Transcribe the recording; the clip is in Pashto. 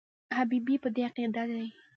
حبیبي په دې عقیده دی.